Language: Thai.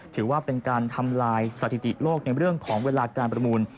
ถือว่าเป็นการทำลายสถิติโลกในเรื่องของเวลาการประมูล